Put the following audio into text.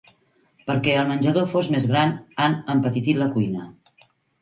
Perquè el menjador fos més gran, han empetitit la cuina.